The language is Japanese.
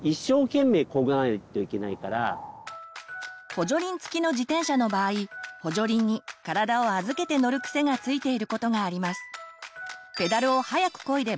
補助輪付きの自転車の場合補助輪に体を預けて乗る癖がついていることがあります。